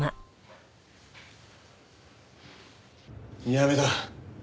やめだ。